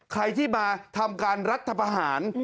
ใครที่มาทำการรัฐประหาร